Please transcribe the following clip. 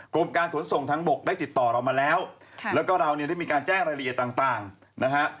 กรมการขนส่งทางบกได้ติดต่อเรามาแล้วแล้วก็เราเนี่ยได้มีการแจ้งรายละเอียดต่างนะฮะ